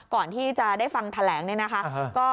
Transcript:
ก่อนที่จะได้ฟังแถลงเนี่ยนะคะ